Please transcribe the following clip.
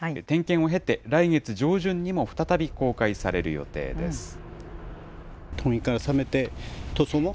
点検を経て、来月上旬にも再び公開される予定です。